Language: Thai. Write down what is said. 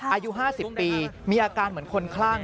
อายุ๕๐ปีมีอาการเหมือนคนคลั่ง